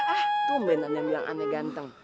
ah tumben aneh aneh bilang aneh ganteng